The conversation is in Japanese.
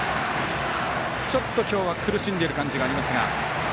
今日は苦しんでいる感じがありますが。